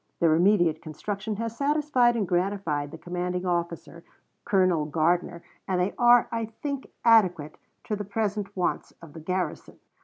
Their immediate construction has satisfied and gratified the commanding officer, Colonel Gardiner, and they are, I think, adequate to the present wants of the garrison."